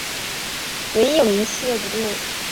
此现象一般在火警发生的后期出现。